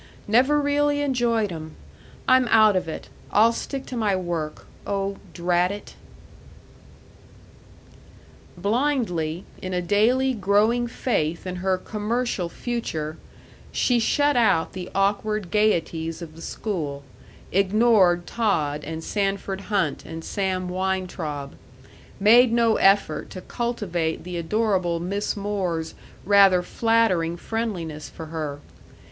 Never really enjoyed 'em. I'm out of it. I'll stick to my work. Oh, drat it!" § 4 Blindly, in a daily growing faith in her commercial future, she shut out the awkward gaieties of the school, ignored Todd and Sanford Hunt and Sam Weintraub, made no effort to cultivate the adorable Miss Moore's rather flattering friendliness for her.